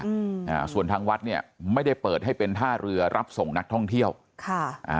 อืมอ่าส่วนทางวัดเนี้ยไม่ได้เปิดให้เป็นท่าเรือรับส่งนักท่องเที่ยวค่ะอ่า